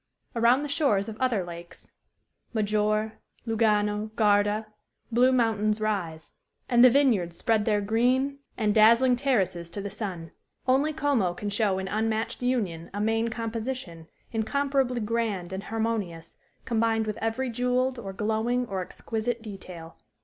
Around the shores of other lakes Maggiore, Lugano, Garda blue mountains rise, and the vineyards spread their green and dazzling terraces to the sun. Only Como can show in unmatched union a main composition, incomparably grand and harmonious, combined with every jewelled, or glowing, or exquisite detail.